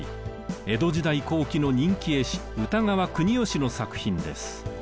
江戸時代後期の人気絵師歌川国芳の作品です。